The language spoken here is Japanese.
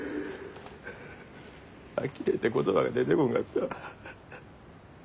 あきれて言葉が出てこんかったわ。